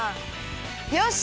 よし！